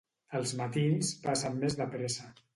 Els matins passen més de pressa